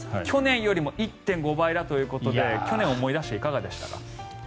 去年よりも１．５倍だということで去年を思い出していかがでしたか？